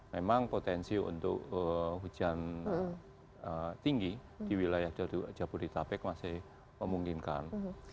memang potensi untuk hujan tinggi di wilayah jabodetabek masih memungkinkan